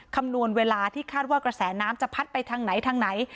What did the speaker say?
คำนวณเวลาที่คาดว่ากระแสน้ำจะพัดไปทางไหนทางไหน